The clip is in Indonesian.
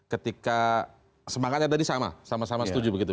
ketika semangatnya tadi sama sama sama setuju begitu